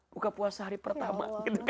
buka puasa hari pertama